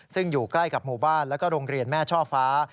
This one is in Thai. ซึ่งอยู่ใกล้กับหมู่บ้านแล้วก็โรงเรียนแม่ช่อฟ้า